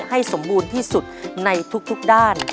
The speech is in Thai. ให้สมบูรณ์ที่สุดในทุกด้าน